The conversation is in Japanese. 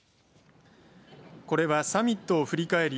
これはサミットを振り返り